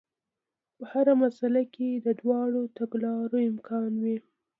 په هره مسئله کې د دواړو تګلارو امکان وي.